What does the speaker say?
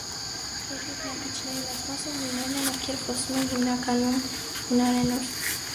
Երկրի բնակիչների մեծ մասը հույներն են, ովքեր խոսում են հիմանակնում հունարենով։